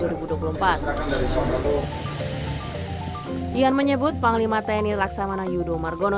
dian menyebut panglima tni laksamana yudho margono